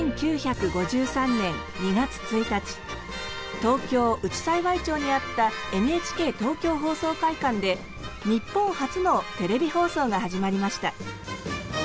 東京・内幸町にあったＮＨＫ東京放送会館で日本初のテレビ放送が始まりました。